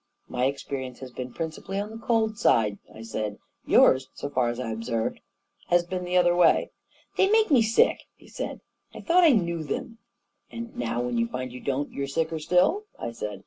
" My experience has been principally on the cold side," I said. " Yours, so far as I have observed it, has been the other way." " They make me sick! " he said. u I thought I knew them !"" And now when you find you don't, you're sicker still!" I said.